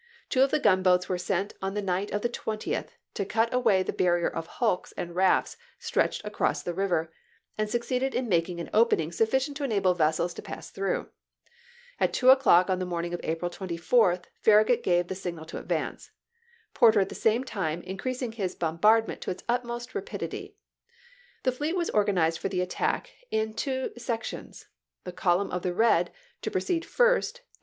Two of the gunboats were sent on the night of the twentieth to cut away the barrier of hulks and rafts stretched across the river, and succeeded in making an opening Fiirrajnit. sufiicient to enable vessels to pass through. At MiIJ'i;?i^,2, two o'clock on the morning of April 24 Farragut Purport. ' gave the signal to advance, Porter at the same time April .«»,?.^.' 1*52. mcreasmg his bombardment to its utmost rapidity. The fleet was organized for the attack in two sec FARKAGUT'S VICTOEY 261 tions ; the " column of the red " to proceed first and, chap.